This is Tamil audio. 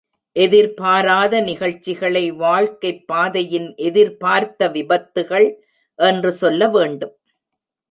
எதிர்பாராத நிகழ்ச்சிகளை வாழ்க்கைப் பாதையின் எதிர்பார்த்த விபத்துகள் என்று சொல்ல வேண்டும்.